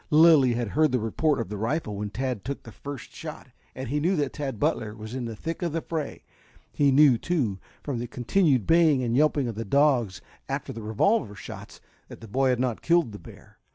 Lilly had heard the report of the rifle when Tad took the first shot, and he knew that Tad Butler was in the thick of the fray. He knew, too, from the continued baying and yelping of the dogs, after the revolver shots, that the boy had not killed the bear.